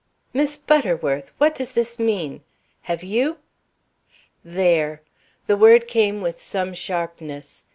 "Miss Butterworth! What does this mean? Have you " "There!" The word came with some sharpness.